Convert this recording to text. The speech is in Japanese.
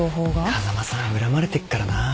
風間さん恨まれてっからな。